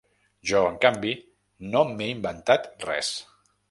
Jo, en canvi, no m'he inventat res.